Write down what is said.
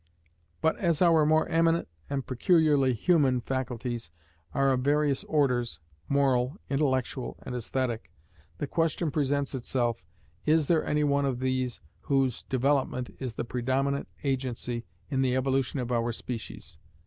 But as our more eminent, and peculiarly human, faculties are of various orders, moral, intellectual, and aesthetic, the question presents itself, is there any one of these whose development is the predominant agency in the evolution of our species?